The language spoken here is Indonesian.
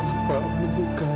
bapak menyukai ibu kamu